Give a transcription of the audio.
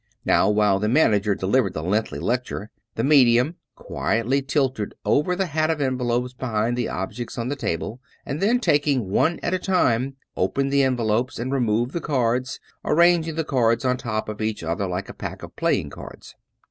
Now, while the manager delivered the lengthy lecture, the medium quiell> tilted over the hat of envelopes behind the objects on the table; and then taking one at a time, opened the envelopes and removed the cards, arranging the cards on top of each other like a pack of playing cards.